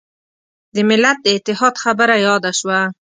د ملت د اتحاد خبره یاده شوه.